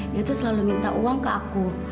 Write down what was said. dia tuh selalu minta uang ke aku